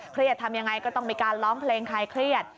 เครียดทำอย่างไรก็ต้องมีการร้องเพลงใครเครียด